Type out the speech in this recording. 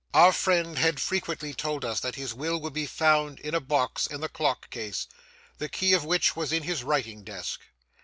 Our friend had frequently told us that his will would be found in a box in the Clock case, the key of which was in his writing desk.